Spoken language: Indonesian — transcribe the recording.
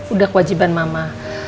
udah kewajiban mama